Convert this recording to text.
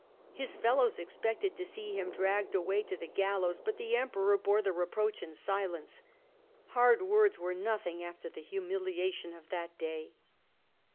His fellows expected to see him dragged away to the gallows, but the Emperor bore the reproach in silence. Hard words were nothing after the humiliation of that day.